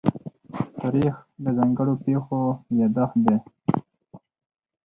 تاریخ د ځانګړو پېښو يادښت دی.